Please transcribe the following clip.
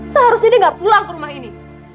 seharusnya dia nggak pulang ke rumah ini